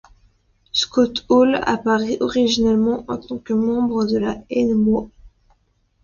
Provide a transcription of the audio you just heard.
Scott Hall apparaît originellement en tant que membre de la nWo.